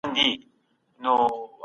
باور د اړیکو اصلي بنسټ دی.